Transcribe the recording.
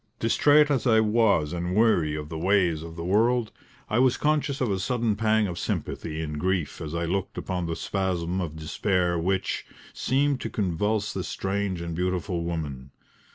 Distrait as I was and weary of the ways of the world, I was conscious of a sudden pang of sympathy and grief as I looked upon the spasm of despair which, seemed to convulse this strange and beautiful woman.